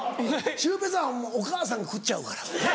シュウペイさんはお母さんが食っちゃうから。